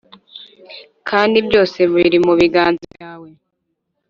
kandi byose biri mubiganza byawe."